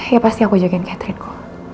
ya pasti aku jagain catherine ku